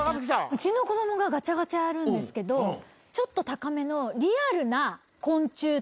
うちの子供がガチャガチャやるんですけどちょっと高めの。